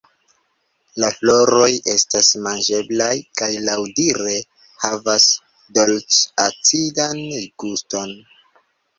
La floroj estas manĝeblaj kaj laŭdire havas dolĉ-acidan guston.